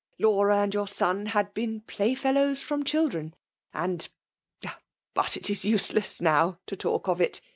Laura and your son had been pli^yfellows from children ; and ^but it ia tmi?. ttea now to talk of it